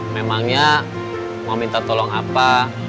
memangnya mau minta tolong apa